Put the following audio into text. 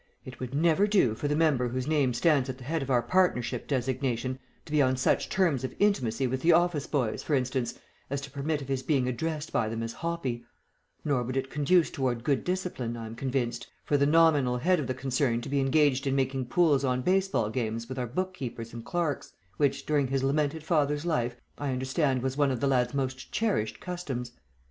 It would never do for the member whose name stands at the head of our partnership designation, to be on such terms of intimacy with the office boys, for instance, as to permit of his being addressed by them as Hoppy; nor would it conduce toward good discipline, I am convinced, for the nominal head of the concern to be engaged in making pools on baseball games with our book keepers and clerks, which, during his lamented father's life, I understand was one of the lad's most cherished customs.